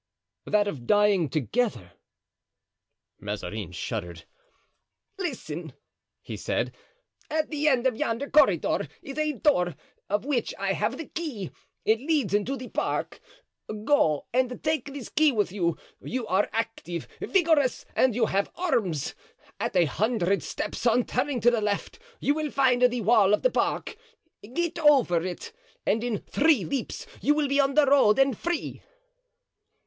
"That of dying together." Mazarin shuddered. "Listen," he said; "at the end of yonder corridor is a door, of which I have the key, it leads into the park. Go, and take this key with you; you are active, vigorous, and you have arms. At a hundred steps, on turning to the left, you will find the wall of the park; get over it, and in three leaps you will be on the road and free."